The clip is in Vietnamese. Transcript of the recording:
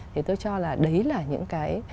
thì tôi cho là đấy là những cái